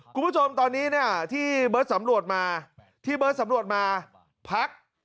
คุณผู้ชมตอนนี้เนี่ยที่เบิร์ตสำรวจมาที่เบิร์ตสำรวจมาพัก